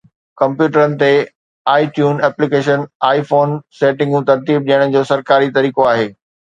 ڪمپيوٽرن تي iTunes application iPhone سيٽنگون ترتيب ڏيڻ جو سرڪاري طريقو آهي